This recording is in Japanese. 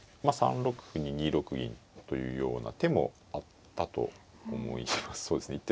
まあ３六歩に２六銀というような手もあったと思います。